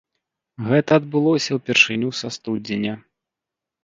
Гэта адбылося ўпершыню са студзеня.